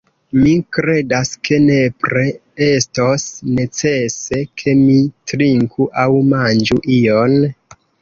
Mi kredas ke nepre estos necese ke mi trinku aŭ manĝu ion.